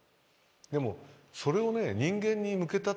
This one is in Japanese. でもそれをね人間に向けたっていうのはね。